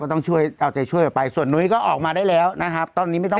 ต้องช่วยเอาใจช่วยออกไปส่วนนุ้ยก็ออกมาได้แล้วนะครับตอนนี้ไม่ต้อง